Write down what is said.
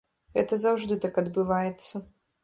Гэта заўжды так адбываецца.